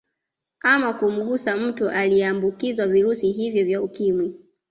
Ama kumgusa mtu aliyeambukizwa virusi hivyo vya ukimwi